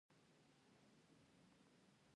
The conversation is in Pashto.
آیا د کاناډا په لویدیځ کې ځنګلونه نشته؟